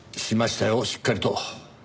しましたよしっかりと。